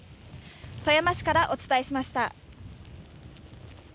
富山市からお伝えしました。